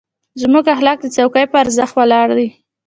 زموږ اخلاق د څوکۍ په ارزښت ولاړ دي.